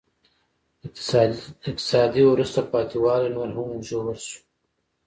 اقتصادي وروسته پاتې والی نور هم ژور شو.